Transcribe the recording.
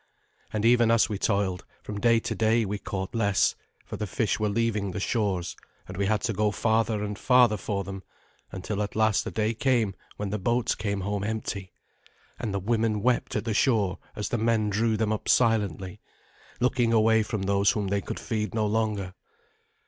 And even as we toiled, from day to day we caught less, for the fish were leaving the shores, and we had to go farther and farther for them, until at last a day came when the boats came home empty, and the women wept at the shore as the men drew them up silently, looking away from those whom they could feed no longer.